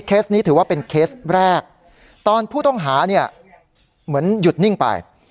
นี้ถือว่าเป็นเคสแรกตอนผู้ต้องหาเนี่ยเหมือนหยุดนิ่งไป